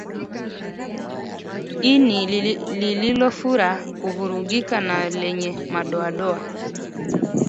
Ini lililofura kuvurugika na lenye madoadoa